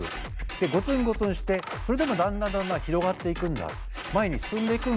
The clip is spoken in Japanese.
ゴツンゴツンしてそれでもだんだんだんだん広がっていくんだ前に進んでいくんだ。